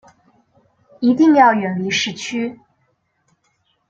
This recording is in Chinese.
一定要远离市区